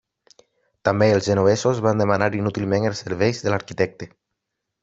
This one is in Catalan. També els genovesos van demanar inútilment els serveis de l'arquitecte.